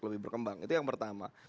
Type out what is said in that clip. lebih berkembang itu yang pertama